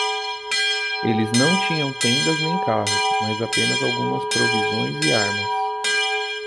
Eles não tinham tendas nem carros, mas apenas algumas provisões e armas.